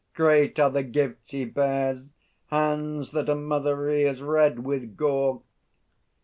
Great are the gifts he bears! Hands that a mother rears Red with gore!